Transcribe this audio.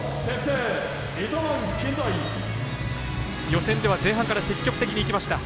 予選では前半から積極的にいきました。